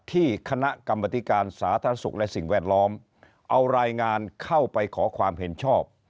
ที่คณะกรรมธิการสาธารณสุขและสิ่งแวดล้อมเอารายงานเข้าไปขอความเห็นชอบ